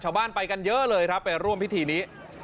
ชาวบ้านไปกันเยอะเลยครับไปร่วมพิธีนี้